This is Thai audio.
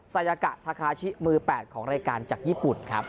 ยากะทาคาชิมือ๘ของรายการจากญี่ปุ่นครับ